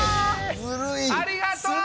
ありがとう！